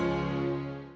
kamu tetap di suku